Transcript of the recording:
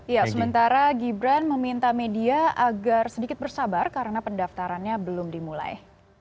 ya sementara gibran meminta media agar sedikit bersabar karena pendaftarannya belum dimulai